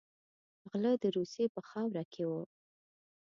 غله د روسیې په خاوره کې وو.